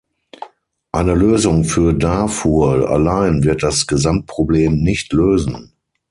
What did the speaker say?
Eine Lösung für Darfur allein wird das Gesamtproblem nicht lösen.